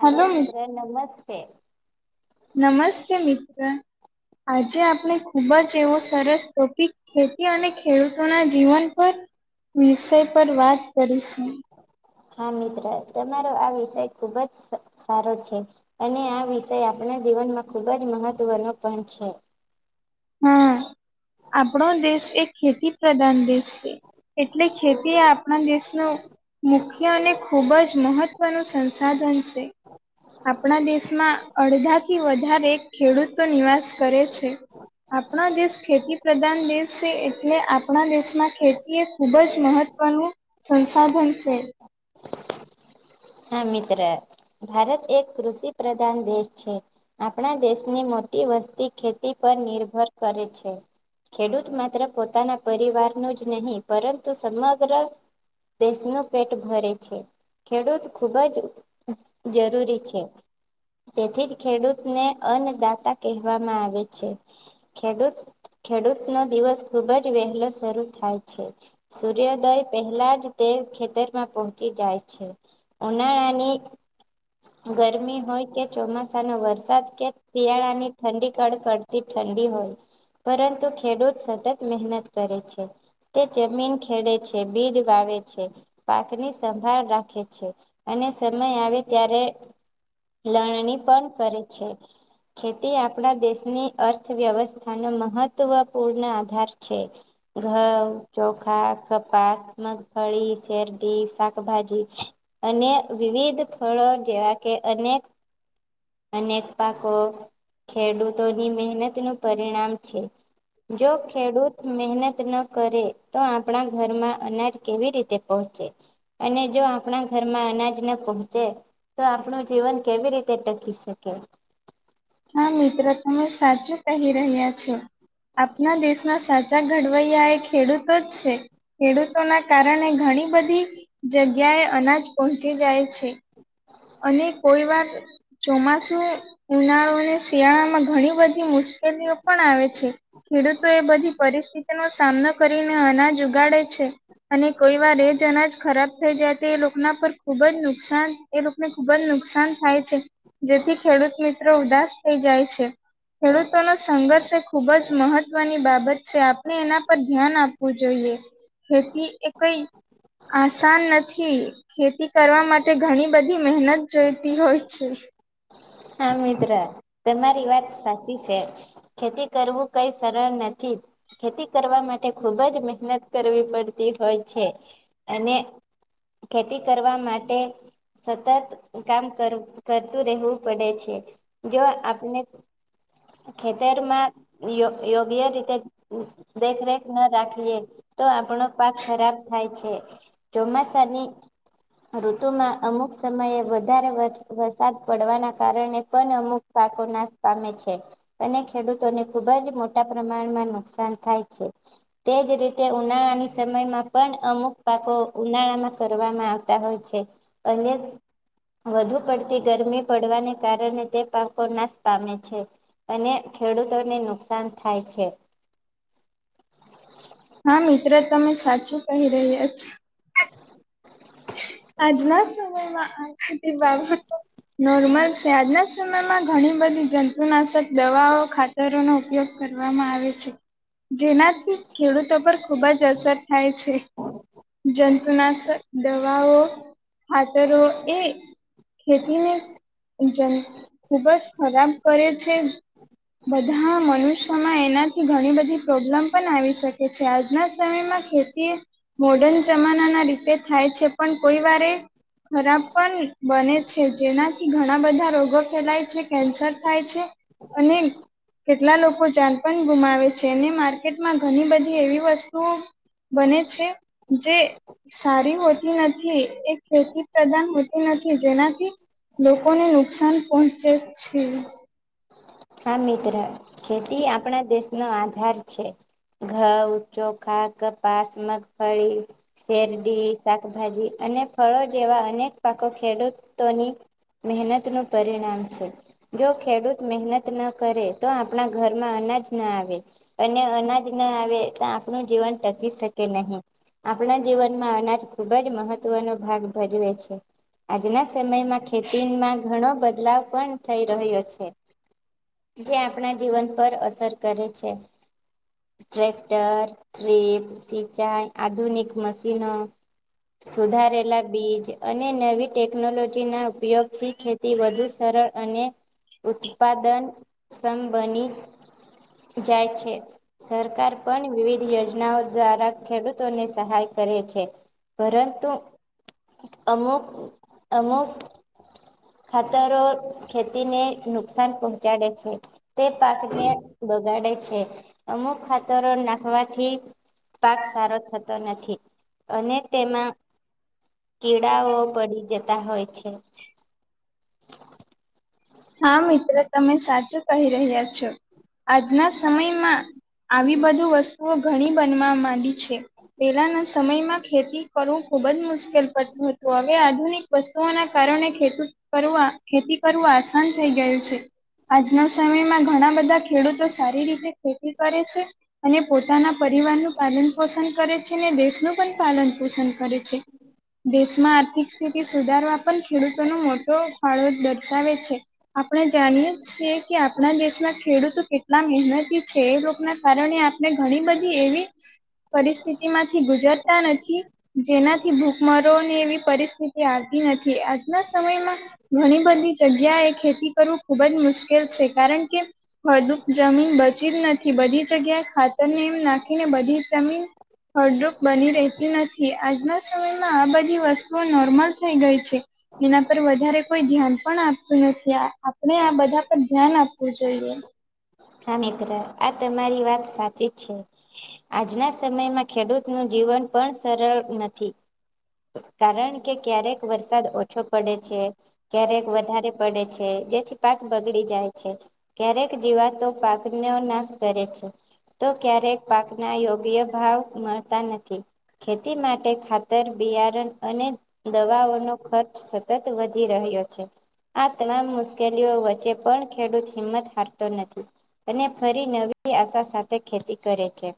Hello મિત્ર નમસ્તે નમસ્તે મિત્ર આજે આપણે ખુબ જ એવો સરસ ટોપિક ખેતી અને ખેડૂતોના જીવન પર વિષય પર વાત કરીશું હા મિત્ર તમારો આ વિષય ખુબ જ સારો છે. અને આ વિષય આપણા જીવનમાં ખુબ જ મહત્વનો પણ છે. હા આપણો દેશ એક ખેતી પ્રધાન દેશ છે. એટલે ખેતી આપણા દેશનું મુખ્ય અને ખૂબ જ મહત્વ ન સંસાધન છે. આપણા દેશમાં અડધા થી વધારે ખેડૂત તો નિવાસ કરે છે. આપણા દેશ ખેતી પ્રધાન દેશ છે એટલે આપણા દેશમાં ખેતી એ ખૂબ જ મહત્વનું સંસાર બનશે. હા મિત્ર ભારત એક કૃષિ પ્રધાન દેશ છે. આપણા દેશની મોટી વસ્તી ખેતી પર નિર્ભર કરે છે. ખેડૂત માત્ર પોતાના પરિવાર ન જ નહીં પરંતુ સમગ્ર- દેશનું પેટ ભરે છે, ખેડૂત ખૂબ જ જરૂરી છે. તેથી જ ખેડૂતને અન્નદાતા કહેવામાં આવે છે. ખેડૂત ખેડૂત નો દિવસ ખુબ જ વહેલો શરૂ થાય છે. સૂર્યોદય પહેલા જ તે ખેતરમાં પહોંચી જાય છે, ઉનાળાની ગરમી હોય કે ચોમાસાનો વરસાદ કે શિયાળા ની ઠંડી કડકડતી ઠંડી હોય. પરંતુ ખેડૂત સતત મહેનત કરે છે, તે જમીન ખેડે છે. બીજ વાવે છે, પાકની સંભાળ રાખે છે. અને સમય આવે ત્યારે લણણી પણ કરે છે, ખેતી આપણા દેશની અર્થવ્યવસ્થા નો મહત્વપૂર્ણ આધાર છે. ઘઉ ચોખા કપાસ મગફળી શેરડી શ ભાજી, અને વિવિધ ફળો જેવા કે અનેક અનેક પાકો, ખેડૂતોની મહેનત નું પરિણામ છે. જો ખેડૂત મહેનત ન કરે તો આપણા ઘરમાં અનાજ કેવી રીતે પહચે, અને જો આપણા ઘરમાં અનાજ ના પહોંચે. તો આપણું જીવન કેવી રીતે ટકી શકે. હા મિત્ર તમે સાચું કહી રહ્યા છો. આપના દેશમાં સાચા ઘડવૈયા એ ખેડૂતો જ છે. ખેડૂતોના કારણે ઘણી બધી જગ્યાએ અનાજ પહોંચી જાય છે. અને કોઈ વાર ચોમાસું ઉનાળુ ને શિયાળા માં ઘણી બધી મુશ્કેલીઓ પણ આવે છે. ખેડૂતો એ બધી પરિસ્થિતિનો સામનો કરી ને અનાજ ઉગાડે છે. અને કોઈ વાર એ જ અનાજ થઈ જાય તો એ લોકોના ખુબ જ નુકસાન એ રોપને ખુબ જ નુકસાન થાય છે, જેથી ખેડૂત મિત્રો ઉદાસ થઈ જાય છે. ખેડૂતો નો સંઘર્ષ એ ખૂબ જ મહત્વની બાબત છે આપણે એના પર ધ્યાન આપવું જોઈએ. ખેતી એ કઈ આસાન નથી ખેતી કરવા માટે ઘણી બધી મહેનત જોઈતી હોય છે. હા મિત્રા તમારી વાત સાચી છે. ખેતી કરવું કઈ સરળ નથી. ખેતી કરવા માટે ખુબ જ મહેનત કરવી પડતી હોય છે, અને ખેતી કરવા માટે સતત કામ કર કરતું રહેવું પડે છે, જો આપણે ખેતર માં યોગ્ય રીતે દેખરેખ ન રાખવી. તો આપણો પાક ખરાબ થાય છે ચોમાસાની ઋતુમાં અમુક સમયે વધારે વરસાદ પડવાના કારણે પણ અમુક પાકો નાશ પામે છે અને ખેડૂતોને ખુબ જ મોટા પ્રમાણમાં નુકસાન થાય છે. તે જ રીતે ઉનાળાની સમયમાં પણ અમુક પાકો ઉનાળામાં કરવામાં આવતા હોય છે અને વધુ પડતી ગરમી પડવાને કારણે તે પાકો નાશ પામે છે અને ખેડૂતોને નુકસાન થાય છે હા મિત્ર તમે સાચું કહી રહ્યા છો આજના સમયમાં આ બધી બાબતો નોર્મલ આજના સમયમાં ઘણી બધી જંતુનાશક દવાઓ ખાતરોનો ઉપયોગ કરવામાં આવે છે જેનાથી ખેડૂતો પર ખુબ જ અસર થાય છે. જંતુનાશક દવાઓ ખાતરો એ ખેતીને ઈજન ખુબ જ ખરાબ કરે છે બધા મનુષ્યોમાં એનાથી ઘણી બધી પ્રોબ્લેમ પણ આવી શકે છે આજના સમયમાં ખે તી મોર્ડન જમાના ના રીતે થાય છે પણ કોઈ વારે ખરાબ પણ બને છે જેનાથી ઘણા બધા રોગો ફેલાય છે કેન્સર થાય છે અને કેટલા લોકો જાનપણ ગુમાવે છે અને માર્કેટમાં ઘણી બધી એવી વસ્તુ બને છે જે સારી હોતી નથી એ ખેતી પ્રદાન હોતી નથી જેનાથી લોકોને નુકસાન પહોંચે છે હા મિત્ર ખેતી આપણા દેશનો આધાર છે ઘઉં ચોખા કપાસ મગફળી શેરડી સાક ભાજી અને ફળો જેવા અનેક પાકો ખેડૂતોની મહેનત નું પરિણામ છે જો ખેડૂત મહેનત ત ના કરે તો આપણા ઘરમાં અનાજ ના આવે અને અનાજ ના આવે તો આપણું જીવન ટકી શકે નહી. આપણા જીવનમાં અનાજ ખૂબ જ મહત્વનો ભાગ ભજવે છે આજના સમયમાં ખેતીમાં ઘણો બદલાવ પણ થઈ રહ્યો છે. જે આપણા જીવન પર અસર કરે છે. ટ્રેક્ટર ટ્રીપ સિંચાઈ આધુનિક મશીનો સુધારેલા બીજ અને નવી ટેકનોલોજી ના ઉપયોગથી ખે તી વધુ સરળ અને ઉત્પાદન સંમ બની જાય છે. સરકાર પણ વિવિધ યોજનાઓ દ્વારા ખેડૂતોને સહાય કરે છે પરંતુ અમુક અમુક ખાતરો ખેતીને નુકસાન પહોં ચાડે છે તે પાકને બગાડે છે. અમુક ખાતરો નાખવાથી પાક સારો થતો નથી અને તેમાં કીડાઓ પડી જતા હોય છે. હા મિત્ર તમે સાચું કહી રહ્યા છો આજના સમયમાં આવી બધી વસ્તુઓ ઘણી બનવા માંડી છે પેલાના સમયમાં ખેતી કરવું ખુબ જ મુશ્કેલ પડતું હતું હવે આધુનિક વસ્તુઓના કારણે ખેતૂત કરવા ખેતી કરવું આસાન થઈ ગયું છે. આજના સમયમાં ઘણા બધા ખેડૂતો સારી રીતે ખેતી કરે છે અને પોતાના પરિવારનું પાલન પોષણ કરે છે ને દેશનું પણ પાલન પોષણ કરે છે. દેશમાં આર્થિક સ્થિતિ સુધારવા પણ ખેડૂતોનો મોટો ફાળો દર્શાવે છે. આપણે જાણીયે જ છીએ કે આપણા દેશમાં ખેડૂતો કેટલા મહેનતી છે એ લોકના કારણે આપણે ઘણી બધી એવી પરિસ્થિતિ માંથી ગુજરતા નથી. જેનાથી ભૂખમરો અને એવી પરિસ્થિતિ આવતી નથી આજના સમયમાં ઘણી બધી જગ્યા એ ખેતી કરવું ખુબ જ મુશ્કેલ છે કારણ કે ફળદ્રુપ જમીન બચી જ નથી. બધી જગ્યાએ ખાતર ને એમ નાખીને બધી જમીન હળડ્રુપ બની રહેતી નથી. આજના સમયમાં આ બધી વસ્તુઓ નોર્મલ થઈ ગઈ છે. એના પર વધારે કોઈ ધ્યાન પણ આપતું નથી. જે આ આપણે આ બધા પર ધ્યાન આપવું જોઈએ. હા મિત્ર આ તમારી વાત સાચી છે. આજના સમયમાં ખેડૂત નુ જીવન પણ સરળ નથી. કારણ કે ક્યારેક વરસાદ ઓછો પડે છે ક્યારેક વધારે પડે છે જેથી પાક બગડી જાય છે. ક્યારેક જીવાતો પાકનો નાશ કરે છે. તો ક્યારેક પાકના યોગ્ય ભાવ મળતા નથી. ખેતી માટે ખાતર બિયારન અને દવાઓનો ખર્ચ સતત વધી રહ્યો છે. આ તમામ મુશ્કેલીઓ વચ્ચે પણ ખેડૂત હિંમત હારતો નથી. અને ફરી નવી આશા સાથે ખેતી કરે છે.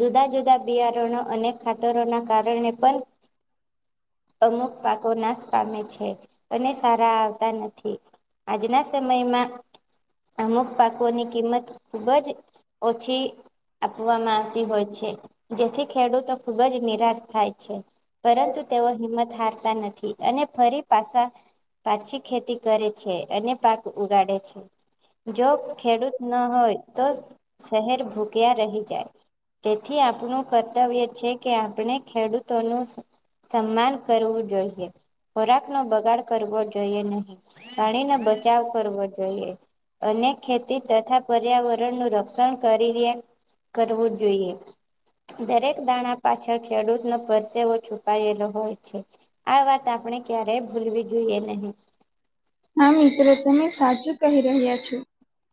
જુદા જુદા બિયારણો અને ખાતરોના કારણે પણ અમુક પાકો નાશ પામે છે અને સારા આવતા નથી. આજના સમયમાં અમુક પાકોની કિંમત ખુબ જ ઓછી આપવામાં આવતી હોય છે જેથી ખેડૂતો ખુબ જ નિરાશ થાય છે. પરંતુ તેઓ હિંમત હારતા નથી અને ફરી પાસા પાછી ખેતી કરે છે અને પાક ઉગાડે છે. જો ખેડૂત ન હોય તો શહેર ભૂક્યા રહી જાય. તેથી આપનું કર્તવ્ય છે કે આપણે ખેડૂતોનું સન્માન કરવું જોઈએ ખોરાક નો બગાડ કરવો જોઈએ નહીં. પાણીનો બચાવ કરવો જોઈએ. અને ખેતી તથા પર્યાવરણનું રક્ષણ કરીને કરવું જોઈએ. દરેક દાણા પાછળ ખેડૂતનો પરસેવો છુપાયેલો હોય છે. આ વાત આપણે ક્યારેય ભૂલવી જોઈએ નહી. હા મિત્ર તમે સાચું કહી રહ્યા છો.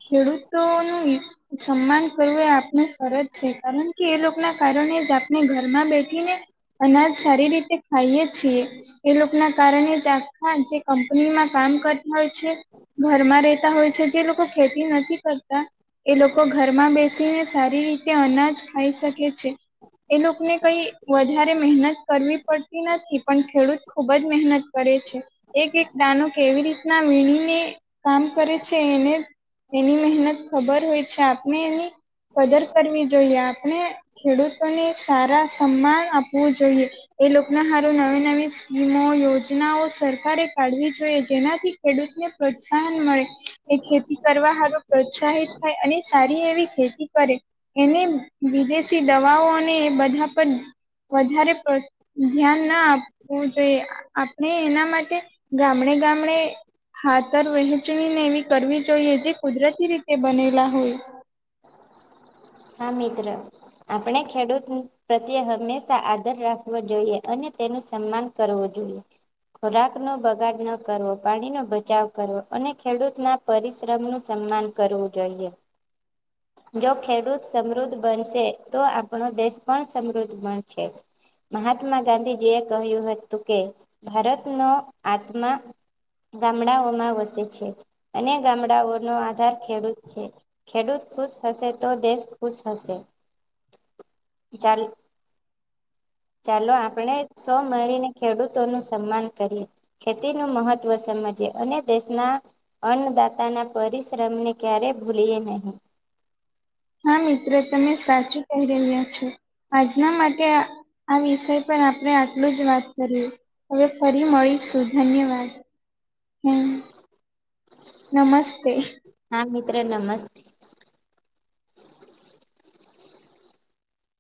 ખેડૂતોનું હિત સન્માન કરવું એ આપનું ફરજ છે. કારણ કે, એ લોકના કારણે જ આપને ઘરમાં બેઠીને અનાજ સારી રીતે ખાઈએ છીએ. એ લોક ના કારણે જ આખા જે કંપનીમાં કામ કરતા હોય છે ઘરમાં રહેતા હોય છે, જે લોકો ખેતી નથી કરતા એ લોકો ઘરમાં બેસીને કે સારી રીતે અનાજ ખાઈ શકે છે. એ લોકને કઈ વધા રે મહેનત કરવી પડતી નથી, પણ ખેડૂત ખુબ જ મહેનત કરે છે. એક એક દાનો કેવી રીતના વીણીને કામ કરે છે એને એની મહેનત ખબર હોય છે, આપણે એની કદર કરવી જોઈએ, આપણે ખેડૂતોને સારા સન્માન આપવું જોઈએ. એ લોકોને હારું નવી નવી સ્કીમો, યોજનાઓ સરકારે કાઢવી જોઈએ, જેનાથી ખેડૂતને પ્રોત્સાહન મળે એ ખેતી કરવા હારુ પ્રોત્સાહિત થાય અને સારી એવી ખેતી ખેતી કરે એને વિદેશી દવાઓ અને બધા પર વધારે પડ ધ્યાન ના આપવું જોઈએ, આપણે એના માટે ગામડે ગામડે ખાતર વહેંચવી ને એવી કરવી જોઈએ, જે કુદરતી રીતે બનેલા હોય હા મિત્ર. આપણે ખેડૂત પ્રત્યે હંમેશા આદર રાખવો જોઈએ અને તેનું સન્માન કરવું જોઈએ. ખોરાકનો બગાડ ન કરવો, પાણીનો બચાવ કરવો અને ખેડૂત ના પરિશ્રમનું સન્માન કરવું જોઈએ, જો ખેડૂત સમૃદ્ધ બનશે તો આપણો દેશ પણ સમૃદ્ધ બનશે. મહાત્મા ગાંધીજી એ કહ્યું હતું, કે ભારતનો આત્મા ગામડાઓમાં વસે છે અને ગામડાઓનો આધાર ખેડૂત છે. ખેડૂત ખુશ હશે તો દેશ ખુશ હશે. ચાલ. ચાલો, આપણે સો મળીને ખેડૂતો નુ સન્માન કરીએ. ખેતીનું મહત્વ સમજીએ અને દેશના અન્નદાતા ના પરિશ્રમને ક્યારે ભૂલીએ નહીં. હા મિત્ર. તમે સાચું કહી રહ્યા છો, આજના માટે આ આ વિષય પર આપડે આટલું જ વાત કરીએ. હવે ફરી મળીશું. ધન્યવાદ! હું નમસ્તે... હા મિત્ર. નમસ્તે...